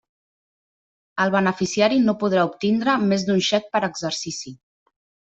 El beneficiari no podrà obtindre més d'un xec per exercici.